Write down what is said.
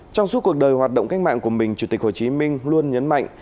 trong suốt cuộc đời hoạt động cách mạng của mình chủ tịch hồ chí minh luôn nhấn mạnh